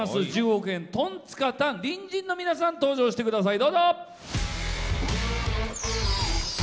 １０億円、トンツカタン隣人の皆さん登場してください。